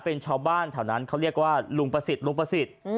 เป็นชาวบ้านแถวนั้นเขาเรียกว่าลุงประสิทธิ์ลุงประสิทธิ์